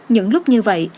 những lúc như vậy